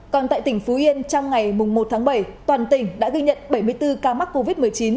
còn tại tỉnh phú yên trong ngày một tháng bảy toàn tỉnh đã ghi nhận bảy mươi bốn ca mắc covid một mươi chín